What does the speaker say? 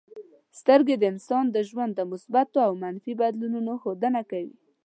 سترګې د انسان د ژوند د مثبتو او منفي بدلونونو ښودنه کوي.